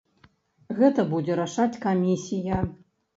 Гэта будзе рашаць камісія.